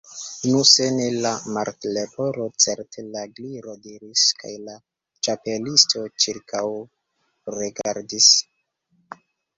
"Nu, se ne la Martleporo, certe la Gliro diris " kaj la Ĉapelisto ĉirkaŭregardis.